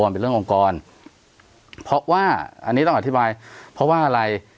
มันเป็นเรื่ององค์กรเพราะว่าอันนี้ต้องอธิบายเพราะว่าอะไร